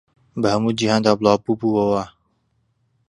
بە هەموو جیهاندا بڵاو بووبووەوە